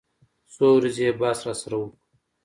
څو ورځې يې بحث راسره وکو.